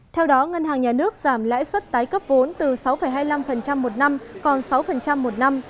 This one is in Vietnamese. theo đó ngân hàng nhà nước giảm lãi suất tái cấp vốn từ sáu hai mươi năm một năm còn sáu một năm